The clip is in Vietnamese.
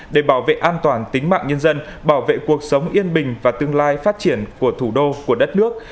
để bảo vệ an toàn tính mạng nhân dân bảo vệ cuộc sống yên bình và tương lai phát triển của thủ đô của đất nước